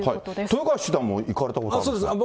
豊川七段も行かれたことあるんですか。